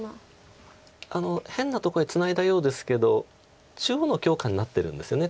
変なとこへツナいだようですけど中央の強化になってるんですよね